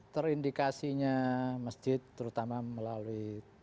terindikasinya masjid terutama melalui